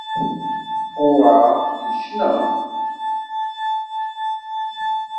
Pua yecna.